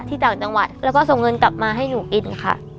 ต่างจังหวัดแล้วก็ส่งเงินกลับมาให้หนูกินค่ะ